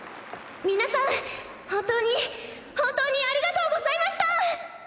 皆さん本当に本当にありがとうございました！